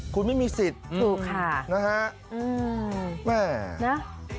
คุณไม่มีสิทธิ์เนี้ยฮะแหม่ะถูกค่ะ